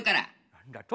何だと？